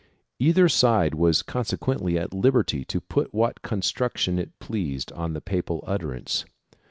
Either side was consequently at liberty to put what con struction it pleased on the papal utterance.